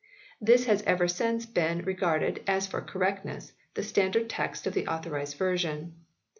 This has ever since been regarded, as for correctness, the standard text of the Authorised Version.